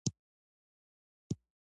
جواب، دهقان، معلم، کوشش، شروع، طرف او ...